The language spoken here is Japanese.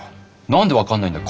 何で分かんないんだ。